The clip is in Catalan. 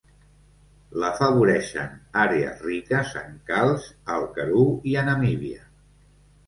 L'afavoreixen àrees riques en calç al Karoo i a Namíbia.